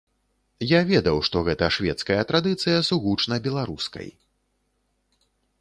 Я ведаў, што гэта шведская традыцыя сугучна беларускай.